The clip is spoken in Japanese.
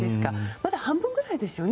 まだ半分ぐらいですよね